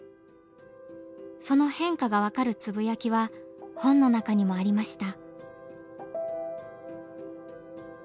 その変化が分かるつぶやきは本の中にもありました。